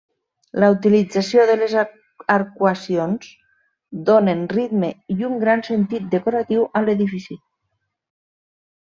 La utilització de les arcuacions donen ritme i un gran sentit decoratiu a l'edifici.